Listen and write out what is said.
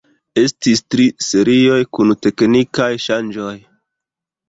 Estis tri serioj kun teknikaj ŝanĝoj.